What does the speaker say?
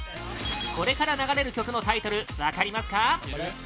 これから流れる曲のタイトル分かりますか？